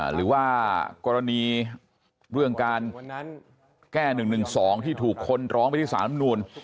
หรือว่ากรณีเรื่องการแก้๑๑๒ที่ถูกคนร้องไปที่สารรัฐมนูล